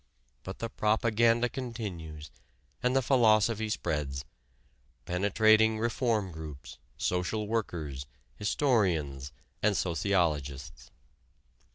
But the propaganda continues and the philosophy spreads, penetrating reform groups, social workers, historians, and sociologists.